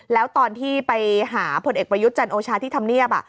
แล้วตอนที่ไปหาผลเอกประยุทธ์จันโอชาที่ทำเนียบ